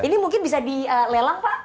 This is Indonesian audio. ini mungkin bisa dilelang pak